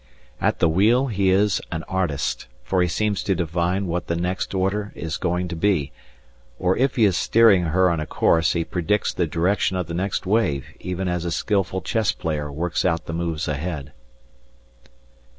At the wheel he is an artist, for he seems to divine what the next order is going to be, or if he is steering her on a course he predicts the direction of the next wave even as a skilful chess player works out the moves ahead.